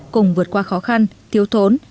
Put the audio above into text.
cùng vượt qua khó khăn thiếu thốn